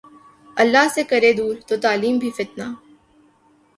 اللہ سے کرے دور ، تو تعلیم بھی فتنہ